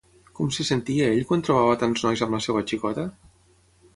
Com se sentia ell quan trobava tants nois amb la seva xicota?